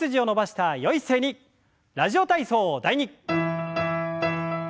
「ラジオ体操第２」。